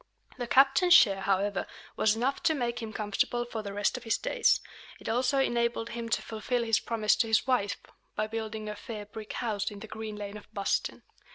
The captain's share, however, was enough to make him comfortable for the rest of his days. It also enabled him to fulfil his promise to his wife, by building a "fair brick house" in the Green Lane of Boston.